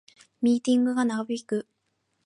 ミーティングが長引く